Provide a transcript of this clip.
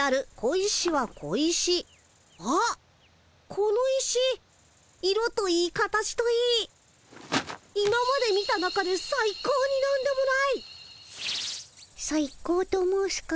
この石色といい形といい今まで見た中でさい高になんでもない！さい高と申すか？